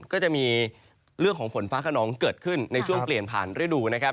ก็จะมีเรื่องของฝนฟ้าขนองเกิดขึ้นในช่วงเปลี่ยนผ่านฤดูนะครับ